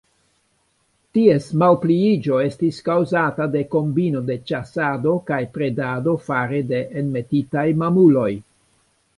Ties malpliiĝo estis kaŭzata de kombino de ĉasado kaj predado fare de enmetitaj mamuloj.